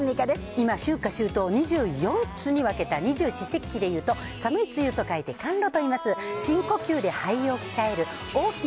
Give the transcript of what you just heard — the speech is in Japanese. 今、春夏秋冬４つに分けた二十四節気でいうと、寒い梅雨と書いて寒露